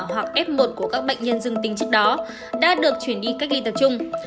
hoặc f một của các bệnh nhân dương tính trước đó đã được chuyển đi cách ly tập trung